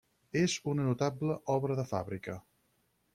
És una notable obra de fàbrica.